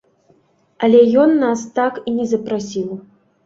Але ён нас так і не запрасіў.